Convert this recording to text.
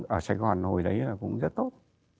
ở sài gòn hồi đấy là cũng rất tốt